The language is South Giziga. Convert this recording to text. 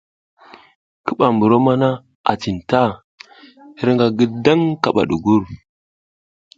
Ki ɓa mbur mana a cinta, hirƞga ngidang kaɓa ɗugur.